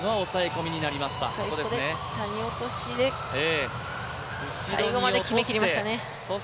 谷落で最後まで決めきりましたね。